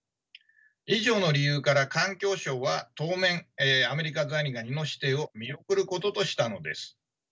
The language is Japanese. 以上の理由から環境省は当面アメリカザリガニの指定を見送ることとしたのです。